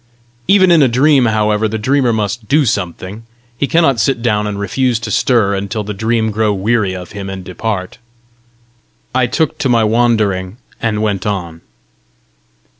Even in a dream, however, the dreamer must do something! he cannot sit down and refuse to stir until the dream grow weary of him and depart: I took up my wandering, and went on.